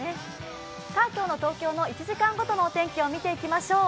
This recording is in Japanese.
今日の東京の１時間ごとのお天気を見ていきましょう。